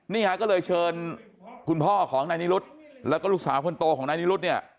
นี่ฮะก็เลยเชิญคุณพ่อของนายนิรุธแล้วก็ลูกสาวคนโตของนายนิรุธเนี่ย